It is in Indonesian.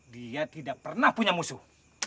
dia tidak pernah punya musuh